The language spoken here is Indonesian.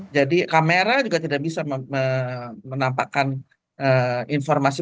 jadi kamera juga tidak bisa menampakkan informasi